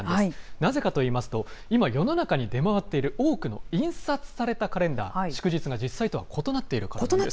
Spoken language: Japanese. なぜかといいますと、今、世の中に出回っている多くの印刷されたカレンダー、祝日が実際とは異な異なっている？